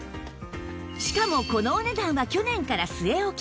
しかもこのお値段は去年から据え置き